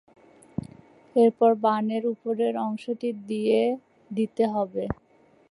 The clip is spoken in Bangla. এরপর বান এর উপরের অংশটি দিয়ে দিতে হবে।